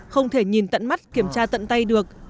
không thể nhìn tận mắt kiểm tra tận tay được